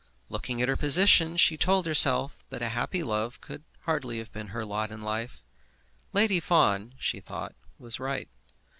Looking at her position, she told herself that a happy love could hardly have been her lot in life. Lady Fawn, she thought, was right.